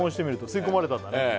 吸い込まれたんだね